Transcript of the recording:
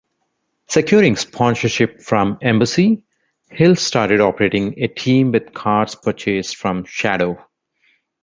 Securing sponsorship from Embassy, Hill started operating a team with cars purchased from Shadow.